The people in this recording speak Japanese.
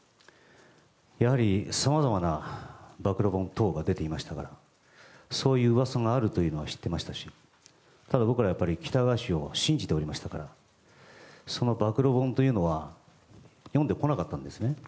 やはりさまざまな暴露本等が出ていましたからそういう噂があるというのは知っていましたしただ、僕らは喜多川氏を信じておりましたからその暴露本というのは読んでこなかったんですね。